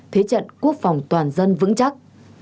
thế trận quốc phòng toàn dân vững chắc